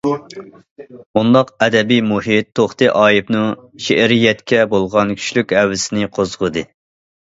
مۇنداق ئەدەبىي مۇھىت توختى ئايۇپنىڭ شېئىرىيەتكە بولغان كۈچلۈك ھەۋىسىنى قوزغىدى.